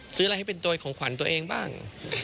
ซื้ออะไรให้เป็นตัวของขวัญตัวเองบ้าง